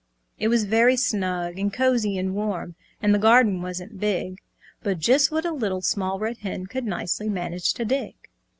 It was very snug and cosy and warm, And the garden wasn't big, But just what a Little Small Red Hen Could nicely manage to dig.